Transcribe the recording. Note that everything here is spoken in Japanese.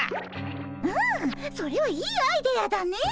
うんそれはいいアイデアだねえ。